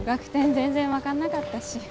全然分かんなかったし。